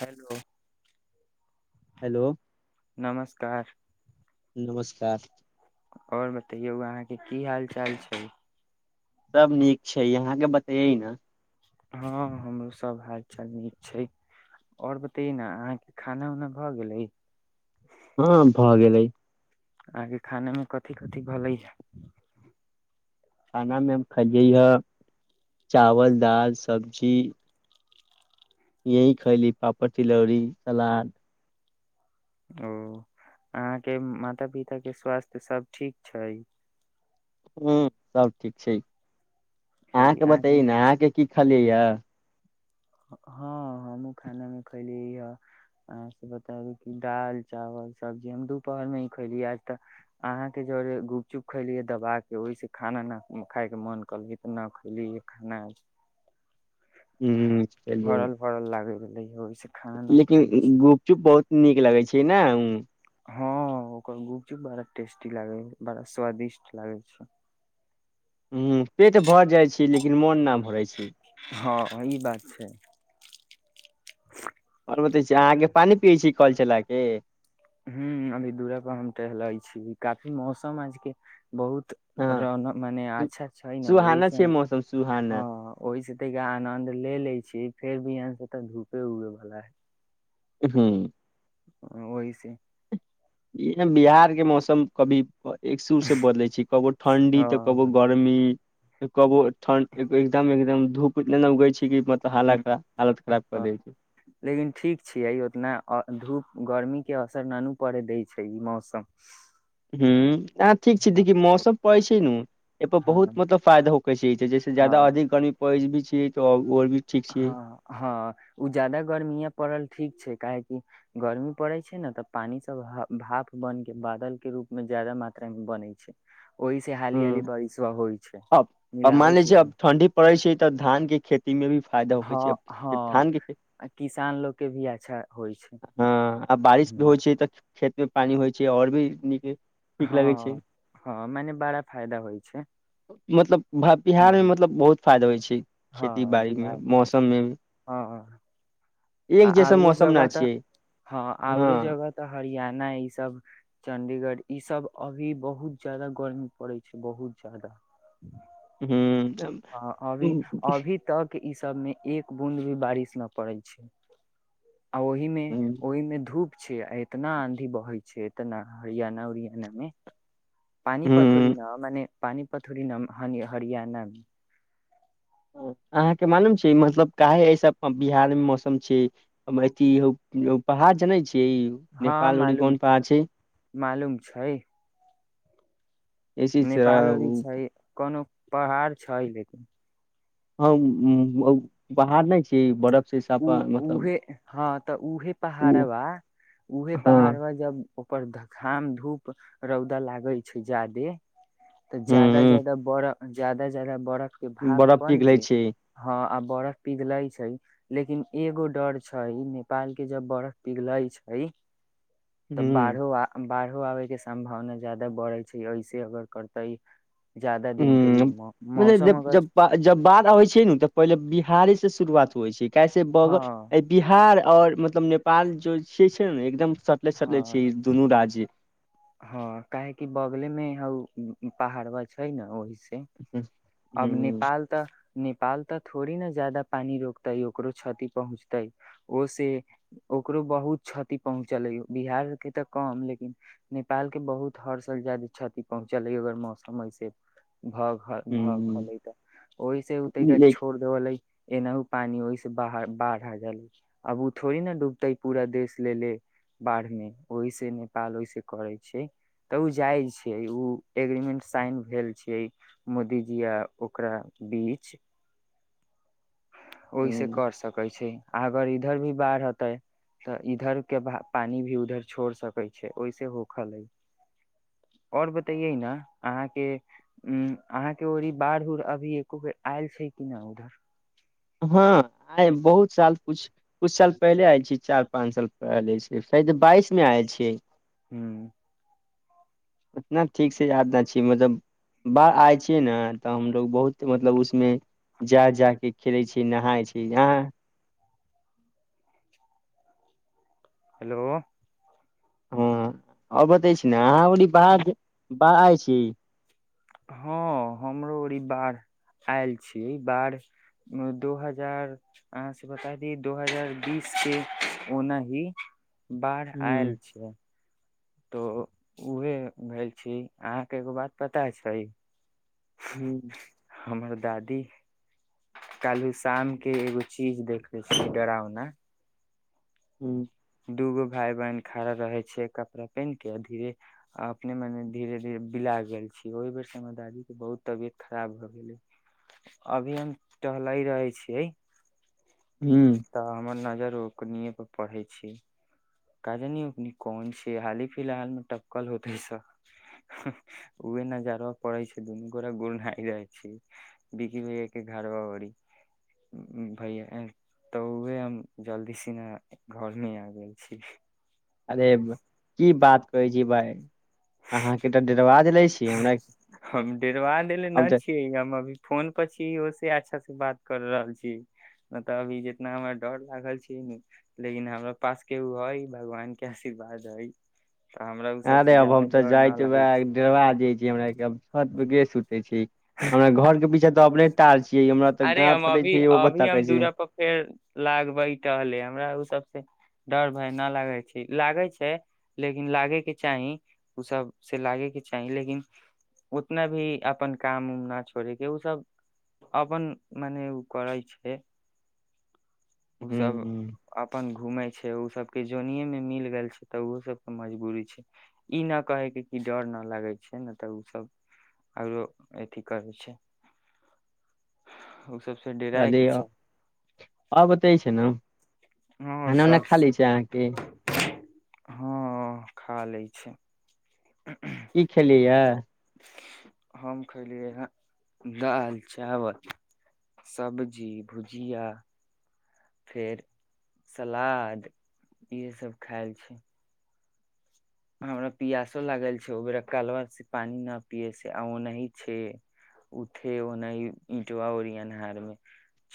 Hello hello नमस्कार नमस्कार और बतैयौ अहाँके की हाल चाल छै सब नीक छै यहाँके बतैयै ना हाँ हमरो सब हाल चाल नीक छै ओर बतै ने अहाँके खाना उना भऽ गेलै हाँ भऽ गेलैय अहाँ खाने मे कथि कथि भलैय ह खानामे हम खेलियै ह चावल दाल सब्जी यही खयली पापड़ तिलौड़ी सलाद ओ अहाँके माता पिता के स्वास्थ्य सब ठीक छै ह्म सब ठीक छै चलि अहाँके अहाँके बतायै ने अहाँके की खलियै यऽ हँ हमहूँ खानामे खयलि ह अह बताबू कि दाल चावल सब्जी हम दुपहरमे ही खयली ह आज तऽ अहाँके जरे गुपचुप खैली ह दवाके ओहिसे खाना नहि खायके मोन कल तऽ नहि खयली खाना आज हूँ चलियै भरल भरल लागे रहलै है होइ लेकिन गुपचुप बहुत नीक लगै छै ना उ हाँ ओकर गुपचुप बड़ा टेस्टी लागे ह बड़ा स्वादिष्ट लागे छै ह पेट भर जाइ छी लेकिन मोन नहि भरै छी हाँ ई बात छै आओर बतै छी अहाँके पानी पियै छी कल चला के ह्म अभी दूराे पर हम टहलै छी काफी मौसम आजके बहुत हँ रहन मने अच्छा छै ने सुहाना ओहिसे छै मौसम सुहाना हाँ ओहिसे आनद ले ले छी फेर बिहान से तऽ धूपे हुए भला हूँ ओहि से ई बिहार के मौसम कभी एक सुरसे बदलै छी कबो ठण्डी तऽ कबो हँ। गर्मी कबो ठंड एकदम एकदम धूप नयि ना उगै छी ह छै लेकिन ठीक छियै उतना आ धूप गर्मी के असर ना नु पड़ै दै छै ई मौसम हूँ आ ठीक छै हँ देखी मौसम पैसे नु एहि पर बहुत हँ मतलब फायदा होकर छै छै जैसे ज जादा अआदमी गर्मी परै [inaudible] हाँ हाँ ओ ज्यादा गर्मीए पड़ल ठीक छै काहे गर्मी पड़े छै ने तऽ पानी सब भाप बन के बादल के रूप में ज्यादा मात्रा मे बनै छै ओहि से हाली हाली ह बारिश होइ छै अब अ मान मिलाबै ले छी अब अहाँ। ठण्डी पड़ै छै तऽ धान के खेती मे भी फायदा होकै छै हाँ अब खे- धान के हाँ किसान लोक के भी अच्छा होइ छै आब बारिश भी हम्म, होइ छै तऽ खेत मे पानि होइ छै आओर भी नीक ठीक लगै छै हँ हँ मने बड़ा फायदा होइ छै मतलब बिहार मे हम्म, मतलब बहुत फायदा होइ छै खेती हँ बाड़ीमे बिहार मौसममे भी आ एक जैसन आओरो मौसम जगह ना तऽ छियै हँ आओरो हँ जगह तऽ हरियाणा ई सब चण्डीगढ़ ई सब अभी बहुत जादा गर्मी पड़े छै बहुत जादा हूँ हँ अभी अभी तक इस सब मे एक बूद भी बारिश न पड़ै छै आ ओहिमे ओहिमे धूप छै इतना आँधी बहै छै एतना हरियाणा उरियाना मे पानी पथरी हूँ न मने पानिपथुररी नम ह हरियाणा अहाँके मालूम छै मतलब काहे ऐस बिहार मे मौसम छै अथ पहाड़ जनै छै छियै हँ नेपाल ओरी मालूम कोन पहाड़ मालूम छै ऐसी छै नेपालो ओटी उ छै कोनो पहाड़ छै लेकिन हम बाहर नहि छी बरफ उ उहे हँ तऽ उऊहे पहाड़ ओ बा उऊहे पहाड़ हँ बा जब ओपर धकाम धूप रौद लागै छै ज्यादे तऽ जाददा हूँ जाददा बड़ा जादा जादा बड़ा के भाग बर्फ कोन पिघलै के छै हँ आ बर्फ पिघले छै लेकिन एगो डर छै नेपाल के जब बर्फ पिघले छै तऽ हूँ बाहरहो आ बाहरो आबैके सम्भावना ज़्यादाद बढ़ै छै ऐसे अगर करतै जादा दिन के लिए ह मौ मौसम जब अगर जब बढ़ अबै छै ने तऽ पहिले बिहारेसँ शुरुआत होइ छै कैसे ब हँ बिहार आओर मतलब नेपाल ज जे छै ने एकदम सटले सटले छै हँ ई दुनू राज्य हँ काहेकि बगलेमे हउ पहाड़वा छै ने ओहि अब हूं नेपाल तऽ नेपाल तऽ थोड़ी ना ज्यादा पानी रोकतै ओकरो क्षति पहुँचतै ओ से ओकरो बहुत क्षति पहुँच चलयौ बिहार के तऽ कम लेकिन नेपाल के बहुत हर साल ज्यादे क्षति पहुँचलै अगर मौसम ऐसे भ ख भ हूं गेले ओहि से ओतेक देख छोड़ देबय एना हूँ पानी ओहिसे बाहर बाढ़ आ जा अब ओ थोड़ी ने डूबतै पूरा देश लेलेे बाढ़मे ओहिसे नेपाल ओहिसे करै छै तऽ ओ जाई छै ओ एग्रीमेंट साइन भेल छै मोदीजी आ ओकरा बीच ओहि से कर सकैत छै अगर इधर भी बाढ़ अतै तऽ इधर के पानी भी उधर छोड़ सकै छै ओहिसे होखल है ओर बतयै ना अहाँके उ अहाँके ओरी बाढ़ उढ़ अभी एको बेर आयल छै कि न उधर हँ आ बहुत साल कछ कुछ साल पहिले आयल छी चार पाँच साल पहिले छै शायद बाइस मे आयल छियै हूँ उतना ठीकसे याद नहि अछि मतलब बाढ आइ छियै ने तऽ हमलोग बहुत मतलब उसमे जा जा कऽ खेलै छीयै नहाइ छी अहाँ हेलो हँ आ बतै छी ने अहाँ ओरी बाहर बाढ आयल छी हँ हमरो ओरी बाढ़ आयल छी बाढ़ दू हजार अहाँ से बता दिय दू हजार बीस के ओनाही बाढ़ आयल हूँ छीयै तो उहे भेल छी अहाँके एगो बात पता छय हू हमर दादी कालहि शाम के एगो चीज देखले छी डरावना हू दूगो भाइ बहिन खड़ा रहै छैयै कपड़ा पेन्हके धीरे अपने मने धीरे धीरे बिला गेल छियै ओहि बेर हमर दादीके बहुत तबियत खराब भऽ गेलै अभी हम टहलै रहै छियै हूँ तऽ हमर न ओकनिये पढ़ै काज कोन छी हाली फिलहाल मे टपकल होते सब उहे नजरवा पड़ै छै दुनू गोड़ गुड़ना जाइ छै बिकी भैया के घड़बा ओरी भैया तऽ उहे हम जल्दी सिना घर मे आ गेल छी अरे की बात कहै छी भाय अहाँके तऽ डेरबा दैलै छी हमरा हम डेरबा देले न हम तऽ छियै हम अभी फोन पर छी ओसे अच्छा से बात कर रहल छी नयित अभी जितना हमरा डर लागल छी ने लेकिन हमरा पास के ओ हइ भगवान के आशीर्वाद हइ तऽ हमरा ओ सबस आरे अब ज्यादा हम तऽ डर जाइ न छी लागे वएह छै के डेरबा जाइ छी हमरा [unintelligible] हमरा घरके पीछा तऽ अपने ताज अरे हम अभी अभी हम छै दूरा पर फेर लागबै टहले हमरा ओ सबसे डर भय न लागै छै लागै छै लेकिन लागे के चाही ओ सब से लागे के चाही लेकिन उतना भी अपन काम उम न छोड़ेके ओसब अपन मने ओ करै छै ओ सब हूँ अपन घूमै ओ सब जोनीये मे मिलगैल छै तऽ ओ सबके मजबूरी छै ई नहि कहैके डर नहि लागै छै नहि तऽ उ सब आरो अथि करै छै ओ सब अरे आ बतै छी ना आओर सब हँ खा ल छै [inaudible] की खेलिययए हम खयलियै ह दाल चावल सब्जी भुजिया फेर सलाद इएहसभ खाइल छै हमरा पियासो लागल छै ओ बेरा कलवा से पानि न पिये से आ ओनाही छै उठे ओनाही इंटवा ओर अन्हार मे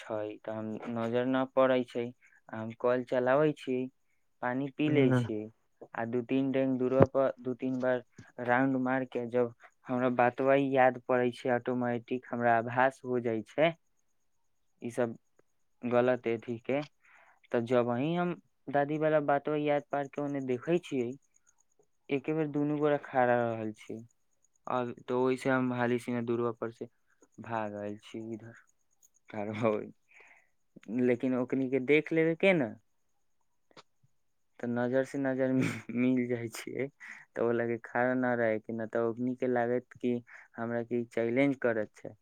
छै तऽ हम नजर न पड़ै छै आ हम कल चलाबै छी पानी पी ले हँ छिय आ दू तीन दूरा पर दू तीन बार राउंड मार के जब हमरा बातव याद पड़े छै ऑटोमेटिक हमरा आभास हो जाइ छै ईसभ गलत अइ थीके तऽ जब अही हम दादीवला बातो याद पार कऽ ओन्ने देखै छियै एके बेर दुनू गोराे खड़ा रहल छियै आब तऽ ओहिसँ हम हाली सिना दूर्बपरसँ भागल छी इधर तर लेकिन ओकन के देख लेबै के ने तऽ नजर से नजरि मिल जाइ छियै तऽ ओ लाग खड़ा नहि रहै के नहि तऽ ओन के लागैत कि हमरा क चैलेंज करत छै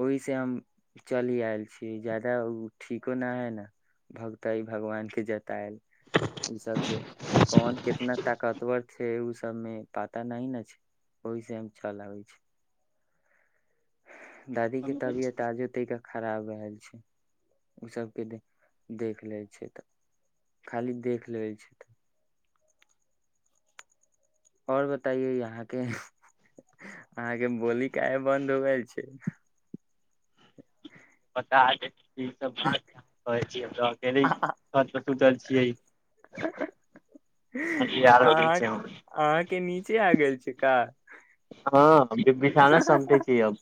ओहि से हम चली आयल छीय जदाा ठीको न है ने भगतई भगवान के जतायल ओसाब से कोन कितना ताकत ततर छै ओ सबमे पता न ने छै ओहि से चलबै छै दादी के तबियत आजो तैा ख खराब रहल छै ओ सभके देख देख लै छै तऽ खाली देख लै छै तऽ आओर बताइए यहाँके अहाँके बोली काय बन्द हो गेल छै पता नै ई सब बात कहै छी अकेले सुूतल छियै हो गेल अहाँ छै हम। अहाँ के नीचे आ गेल छै क हँ जे बिछाना समटे छी अब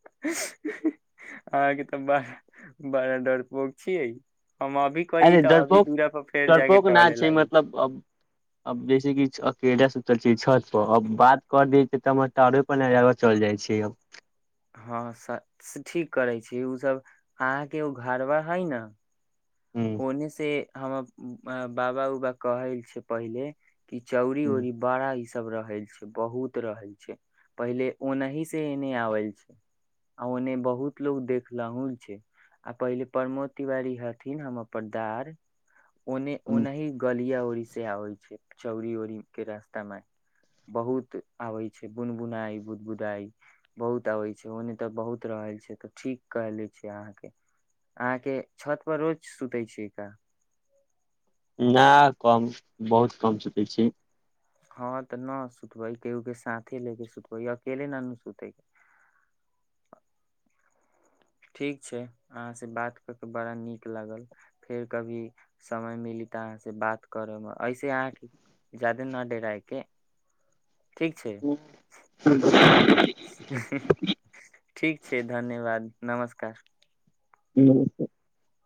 अहाँके तऽ बड़ा बड़ा डर पोक छियै हम अभी कही अे तऽ अभी डरपोक दूरा पर फेर जाके डरपोको न टहले छै लागे मतलब अब अब जैस कि के स चल छत पररब बात कर दै छ तऽ हमर टारे परर नजा चलि जाइ छै हँ स ठीक करै छी ओसभ अहाँके ओ घर बर हइ ने हूँ ओने से हमर बाबा उबा कहल छै पहिले कि चौरी हूँ ओरी बारा सब रहल छै बहुत रहल छै पहिले ओनाहि से एने आवल छै आ ओने बहुत लोग देखलहु छै आ पहिले प्रमोद तिवारी हथि हम परदार ओने हूँ ओनाहि गलिया ओड़ी से आबै छै चौरी वौरीके रास्तामे बहुत आबैत छै बुन बुनाइ बुदबुदाइ बहुत आबैत छै ओ नहि तऽ बहुत रहल छै तऽ ठीक कह ले छै अहाँके अहाँके छत पर रोज सुताै छै का न कम बहुत कम सूतै छी हँ तऽ न सुूतबै कय के साथे लैके सुतब अकेेल नन सुूत ठीक छै अहाँसँ बात कऽ कऽ बड़ा नीक लागल फेर कभी समय मिली तऽ अहाँसँ बात करयमे इसे अहाँके जा्यदे नहि डरायके [unintelligible] हींह ठीक छै धन्यवाद नमस्कार [unintelligible]